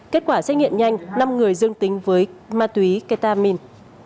kết quả xét nghiệm nhanh năm người dương tính với ma túy ketamin